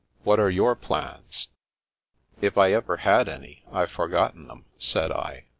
What are your plans ?'*" If I ever had any, I've forgotten them," said I.